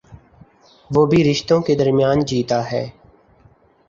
وہ بھی رشتوں کے درمیان جیتا ہے۔